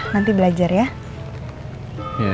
nanti belajar ya